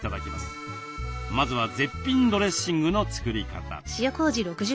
まずは絶品ドレッシングの作り方。